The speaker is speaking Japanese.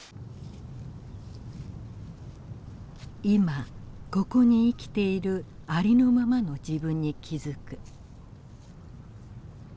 いま・ここに生きているありのままの自分に気づく。